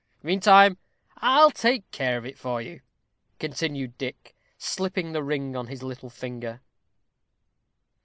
Meantime, I'll take care of it for you," continued Dick, slipping the ring on his little finger.